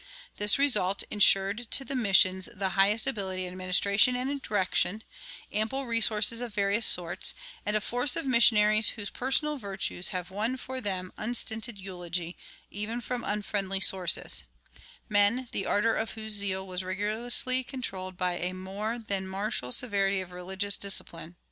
This result insured to the missions the highest ability in administration and direction, ample resources of various sorts, and a force of missionaries whose personal virtues have won for them unstinted eulogy even from unfriendly sources men the ardor of whose zeal was rigorously controlled by a more than martial severity of religious discipline.